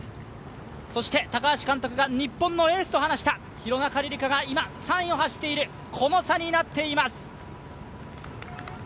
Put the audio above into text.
そして高橋監督が日本のエースと話した廣中璃梨佳が今３位を走っている、この差になっています。